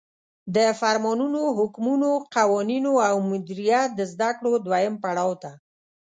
د فرمانونو، حکمونو، قوانینو او مدیریت د زدکړو دویم پړاو ته